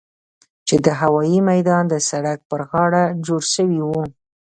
چې د هوايي ميدان د سړک پر غاړه جوړ سوي وو.